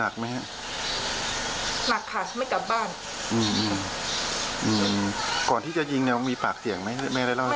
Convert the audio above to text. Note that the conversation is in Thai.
คือก่อนอันนี้ได้ลงบันทึกประจำวันไว้แล้วนะคะ